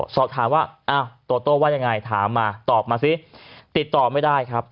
สอบถามว่าอ้าวโตโต้ว่ายังไงถามมาตอบมาซิติดต่อไม่ได้ครับ